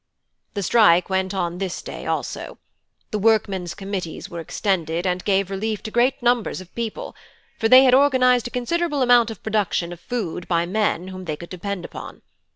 "The strike went on this day also. The workmen's committees were extended, and gave relief to great numbers of people, for they had organised a considerable amount of production of food by men whom they could depend upon.